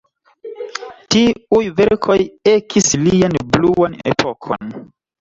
Tiuj verkoj ekis lian "bluan epokon".